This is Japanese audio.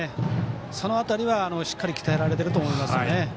その辺りはしっかり鍛えられていると思いますね。